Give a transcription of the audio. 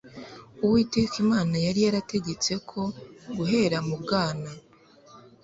Uwiteka Imana yari yarategetse ko guhera mu bwana,